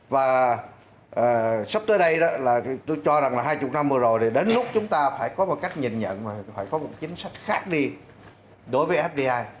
và sắp tới đây tôi cho rằng là hai mươi năm vừa rồi đến lúc chúng ta phải có một cách nhìn nhận phải có một chính sách khác đi đối với fbi